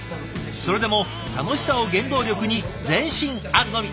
それでも楽しさを原動力に前進あるのみ。